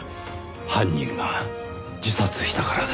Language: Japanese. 犯人が自殺したからです。